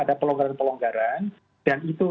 ada pelonggaran pelonggaran dan itu